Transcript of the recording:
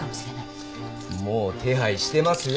もう手配してますよ